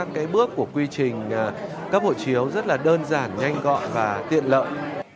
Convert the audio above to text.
cái bước của quy trình cấp hộ chiếu rất là đơn giản nhanh gọn và tiện lợi